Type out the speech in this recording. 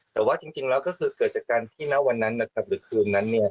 แต่ว่าจริงแล้วก็คือเกิดจากการที่เนาะวันนั้นหรือคืนนั้น